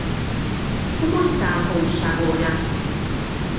Como está a cousa agora?